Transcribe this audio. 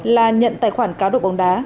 là nhận tài khoản cáo độ bóng đá